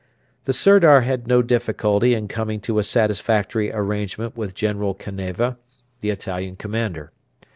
The Sirdar had no difficulty in coming to a satisfactory arrangement with General Caneva, the Italian commander.